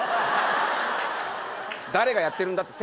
誰がやってるんだ？